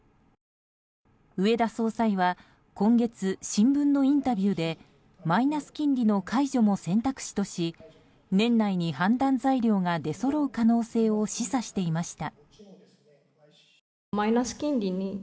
植田総裁は今月新聞のインタビューでマイナス金利の解除も選択肢とし年内に判断材料が出そろう可能性を示唆していました。